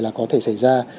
là có thể xảy ra